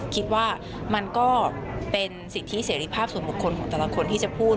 คิดว่ามันก็เป็นสิทธิเสรีภาพส่วนบุคคลของแต่ละคนที่จะพูด